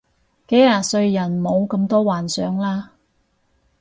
幾廿歲人唔好咁多幻想啦